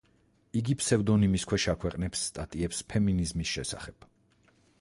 იგი ფსევდონიმის ქვეშ აქვეყნებს სტატიებს ფემინიზმის შესახებ.